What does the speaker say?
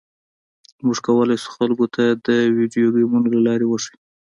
موږ کولی شو خلکو ته د ویډیو ګیمونو لارې وښیو